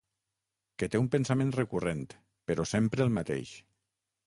Que té un pensament recurrent, però sempre el mateix.